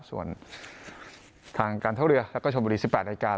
ส่วนทางการท่าเรือแล้วก็ชมบุรี๑๘นาฬิกา